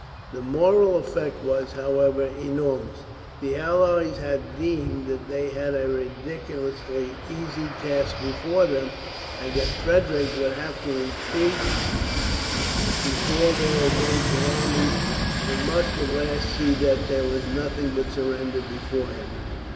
The moral effect was, however, enormous. The allies had deemed that they had a ridiculously easy task before them, and that Frederick would have to retreat before their advancing armies, and must at last see that there was nothing but surrender before him.